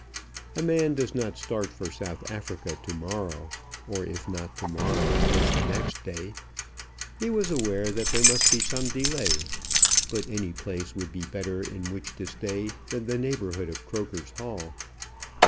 A man does not start for South Africa to morrow, or, if not to morrow, then the next day. He was aware that there must be some delay; but any place would be better in which to stay than the neighbourhood of Croker's Hall.